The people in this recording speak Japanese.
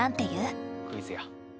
クイズや。